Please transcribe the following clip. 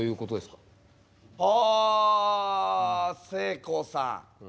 ああせいこうさん